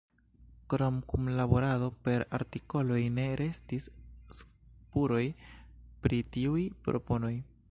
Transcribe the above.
Krom kunlaborado per artikoloj, ne restis spuroj pri tiuj proponoj.